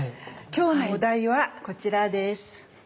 今日のお題はこちらです。